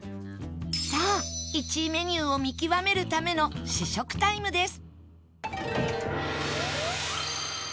さあ１位メニューを見極めるための試食タイムです